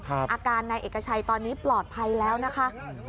อาการนายเอกชัยตอนนี้ปลอดภัยแล้วนะคะ